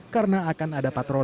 karena akan ada patroli petugas